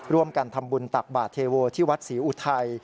ร่วมกันทำบุญตักบาทเทโวที่วัดศรีอุทัย